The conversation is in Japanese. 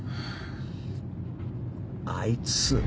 あいつ！